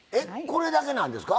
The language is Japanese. これだけなんですか。